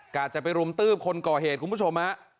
จะไปรุมตืบคนก่อเหตุคุณผู้ชมฮะ